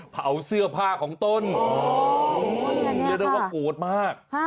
เผาเสื้อผ้าของต้นโอ้โหนี่ค่ะนี่น่าว่ากดมาก